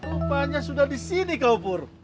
lumpanya sudah di sini kak pur